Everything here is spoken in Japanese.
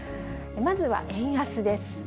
まずは円安です。